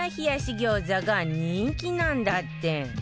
餃子が人気なんだって